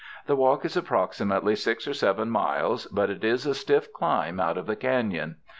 The walk is approximately six or seven miles, but it is a stiff climb out of the canon.